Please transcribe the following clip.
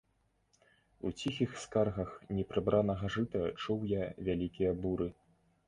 У ціхіх скаргах непрыбранага жыта чуў я вялікія буры.